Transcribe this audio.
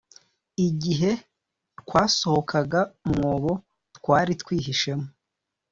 Igihe twasohokaga mu mwobo twari twihishemo